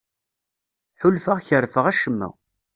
Ḥulfaɣ kerfeɣ acemma.